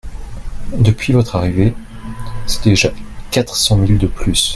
Depuis votre arrivée, c’est déjà quatre-cents-mille de plus.